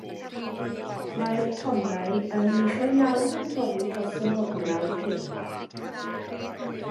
Mae'r tonnau yn uchel iawn yn torri dros y morglawdd heno.